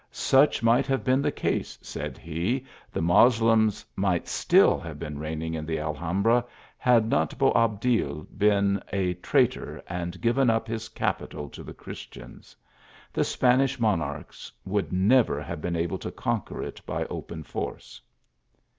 " Such might have been the case," said he ;" the Moslems might still have been reigning in the Alhambra, had not Boabdil been a traitor, and given up his capitol to the Christians. The Spanish monarchs would never have been able to conquer it by open force."